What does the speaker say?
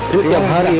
jadi tiap hari ya